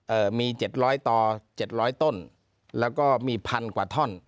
เอ่อมีเจ็ดร้อยต่อเจ็ดร้อยต้นแล้วก็มีพันกว่าท่อน